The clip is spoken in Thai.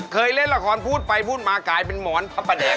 เคยเล่นละครพูดไปพูดมากลายเป็นหมอนพระประแดง